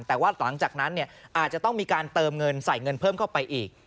แต่ว่าหลังจากนั้นอาจจะต้องมีการเติมเงินใส่เงินเพิ่มเข้าไปอีก